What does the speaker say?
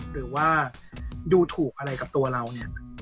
หรือว่าดูถูกอะไรกับตัวเราเนี่ย